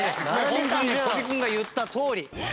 ホントに小尾君が言ったとおり。